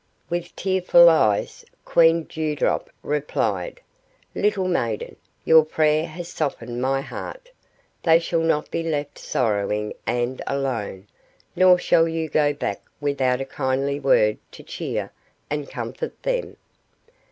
With tearful eyes, Queen Dew Drop replied,— "Little maiden, your prayer has softened my heart. They shall not be left sorrowing and alone, nor shall you go back without a kindly word to cheer and comfort them.